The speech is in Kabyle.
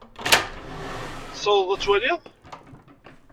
Tsawḍeḍ ad twaliḍ?